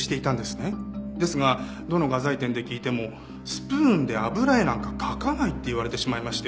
ですがどの画材店で聞いてもスプーンで油絵なんか描かないって言われてしまいまして。